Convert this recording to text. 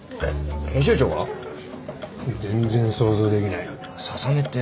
全然想像できないな。